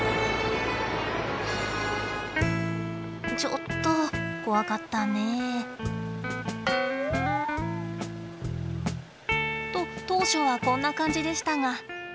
ちょっと怖かったねえ。と当初はこんな感じでしたが。